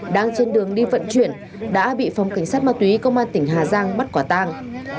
đang trên đường đi vận chuyển đã bị phòng cảnh sát ma túy công an tỉnh hà giang bắt quả tang